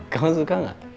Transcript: kamu suka gak